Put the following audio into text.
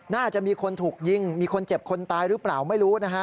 น่าจะมีคนถูกยิงมีคนเจ็บคนตายหรือเปล่าไม่รู้นะฮะ